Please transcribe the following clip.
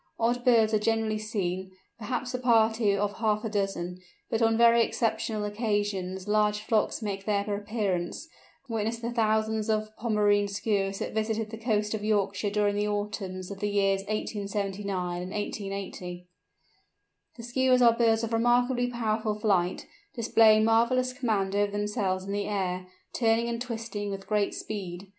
Odd birds are generally seen, perhaps a party of half a dozen, but on very exceptional occasions large flocks make their appearance—witness the thousands of Pomarine Skuas that visited the coast of Yorkshire during the autumns of the years 1879 and 1880. The Skuas are birds of remarkably powerful flight, displaying marvellous command over themselves in the air, turning and twisting with great speed.